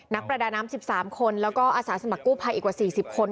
นักประดาน้ำ๑๓คนแล้วก็อสสมกุภัยอีกกว่า๔๐คน